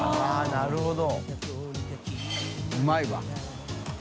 なるほど。